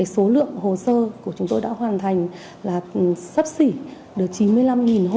số lượng hồ sơ của chúng tôi đã hoàn thành là sắp xỉ được chín mươi năm hồ